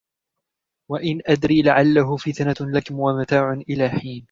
وإن أدري لعله فتنة لكم ومتاع إلى حين